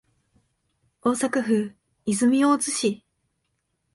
大阪府泉大津市